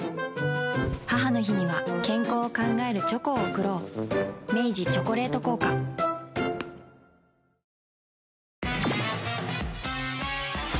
母の日には健康を考えるチョコを贈ろう明治「チョコレート効果」［南極］